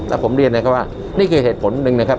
แล้วผมเรียนนะครับว่านี่คือเหตุผลหนึ่งนะครับ